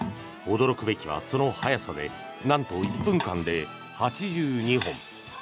驚くべきはその速さでなんと１分間で８２本。